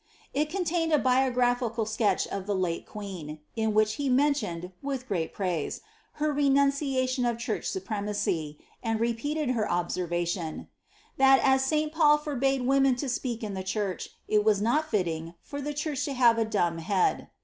"* It contained a biographical sketch of the late queen, in which he mentioned, with great praise, her renunciation of church supremacy, and repeated her observation, ^^ that as Saint Paul forbade women to speak in the church, it was not fitting, for the church to have a dumb head."